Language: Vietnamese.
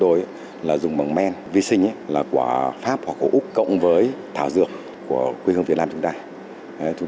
thì việc ứng dụng công nghệ sinh học trong chăn nuôi của hợp tác xã hoàng long